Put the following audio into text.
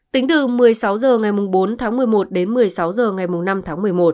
tính từ một mươi sáu h ngày bốn tháng một mươi một đến một mươi sáu h ngày năm tháng một mươi một